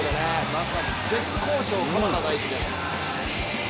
まさに絶好調、鎌田大地です。